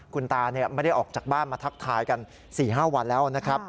คุณตาไม่ได้ออกจากบ้านมาทักทายกัน๔๕วันแล้วนะครับ